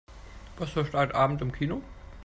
Was läuft heute Abend im Kino?